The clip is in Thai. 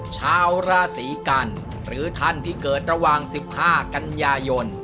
ชาวราศีกันหรือท่านที่เกิดระหว่าง๑๕กันยายน